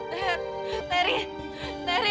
ter teri teri